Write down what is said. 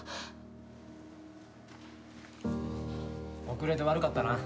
遅れて悪かったな。